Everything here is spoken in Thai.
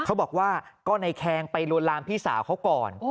เขาบอกว่าก็ในแคงไปลวนลามพี่สาวเขาก่อน